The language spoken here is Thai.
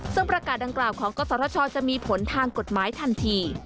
ซึ่งประกาศดังกล่าวของกศธชจะมีผลทางกฎหมายทันที